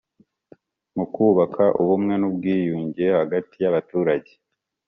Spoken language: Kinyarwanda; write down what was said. mu kubaka ubumwe n'ubwiyunge hagati y'abaturage